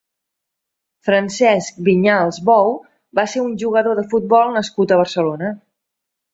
Francesc Vinyals Bou va ser un jugador de futbol nascut a Barcelona.